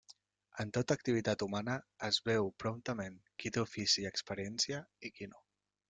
En tota activitat humana es veu promptament qui té ofici i experiència i qui no.